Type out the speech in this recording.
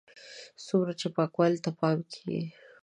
څومره چې پاکوالي ته پام کېږي.